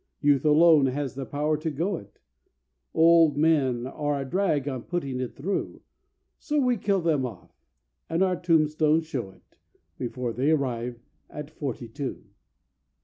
Youth alone has the power to go it; Old men are a drag on putting it through, So we kill them off—and our tombstones show it— Before they arrive at forty two."